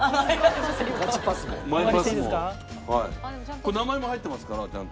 これ名前も入ってますからちゃんと。